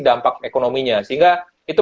dampak ekonominya sehingga itu